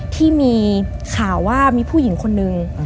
ที่มีข่าวว่ามีผู้หญิงคนนึง